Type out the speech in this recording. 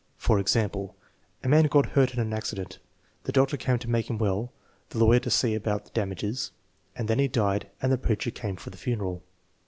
For example, "A man got hurt in an accident; the doctor came to make him well, the lawyer to see about damages, and then he died and the preacher came for the funeral."